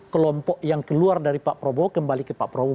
kelompok yang keluar dari pak prabowo kembali ke pak prabowo